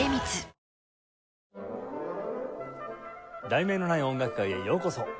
『題名のない音楽会』へようこそ。